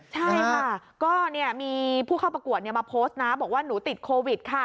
ใช่ค่ะก็มีผู้เข้าประกวดมาโพสต์นะบอกว่าหนูติดโควิดค่ะ